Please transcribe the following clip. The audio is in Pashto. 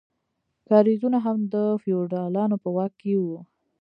کاریزونه هم د فیوډالانو په واک کې وو.